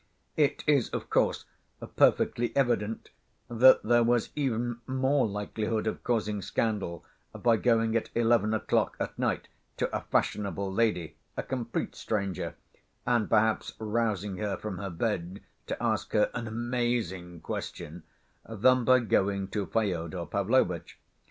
It is, of course, perfectly evident that there was even more likelihood of causing scandal by going at eleven o'clock at night to a fashionable lady, a complete stranger, and perhaps rousing her from her bed to ask her an amazing question, than by going to Fyodor Pavlovitch.